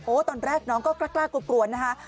ตอนแรกน้องก็กล้ากลัวนะคะ